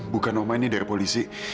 bukan noma ini dari polisi